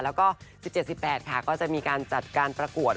แล้วก็๑๗๑๘ค่ะก็จะมีการจัดการประกวด